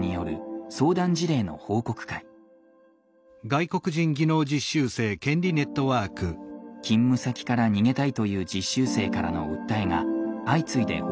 勤務先から逃げたいという実習生からの訴えが相次いで報告されました。